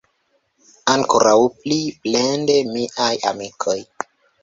Ankoraŭ pli plende, miaj amikoj!